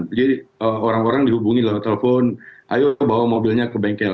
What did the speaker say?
jadi orang orang dihubungi lah telepon ayo bawa mobilnya ke bengkel